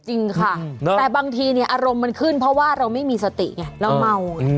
จริงค่ะแต่บางทีเนี่ยอารมณ์มันขึ้นเพราะว่าเราไม่มีสติไงเราเมาไง